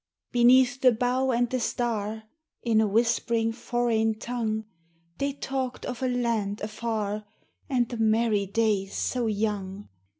Beneath the bough and the star, In a whispering foreign tongue, They talked of a land afar And the merry days so young!